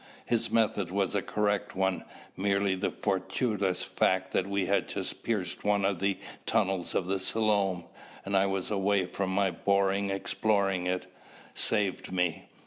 "His method was a correct one. Merely the fortuitous fact that we had just pierced one of the tunnels of the Selom, and I was away from my borer exploring it, saved me.